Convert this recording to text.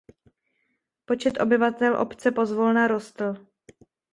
Počet obyvatel obce pozvolna rostl.